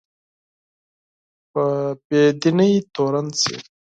په بې دینۍ تورن شي